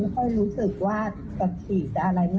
เมื่อไขเอกลงกลายเมื่อหาไกแล้วก็เลยเราก็ไขมันว่า